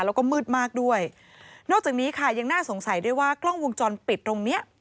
แล้วก็มืดมากด้วยนอกจากนี้ค่ะยังน่าสงสัยด้วยว่ากล้องวงจรปิดตรงเนี้ย